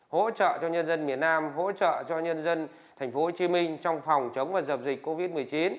hỗ trợ cho nhân dân miền nam hỗ trợ cho nhân dân thành phố hồ chí minh trong phòng chống và dập dịch covid một mươi chín